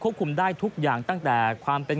คุมได้ทุกอย่างตั้งแต่ความเป็น